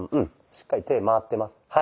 しっかり手回ってます。